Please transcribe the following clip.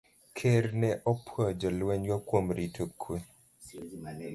Ker ne opwoyo jolwenygo kuom rito kuwe